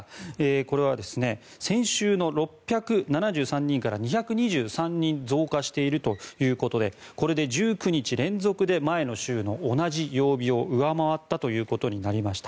これは先週の６７３人から２２３人増加しているということでこれで１９日連続で前の週の同じ曜日を上回ったということになりました。